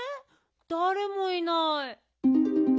だれもいない。